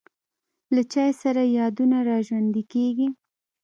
له چای سره یادونه را ژوندی کېږي.